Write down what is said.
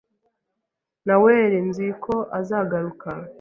Naweri nzi ko azagaruka.